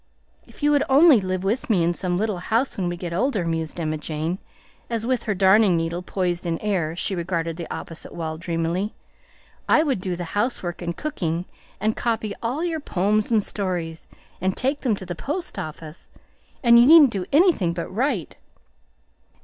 "If you would only live with me in some little house when we get older," mused Emma Jane, as with her darning needle poised in air she regarded the opposite wall dreamily, "I would do the housework and cooking, and copy all your poems and stories, and take them to the post office, and you needn't do anything but write.